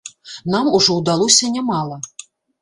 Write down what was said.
Нам ужо ўдалося нямала.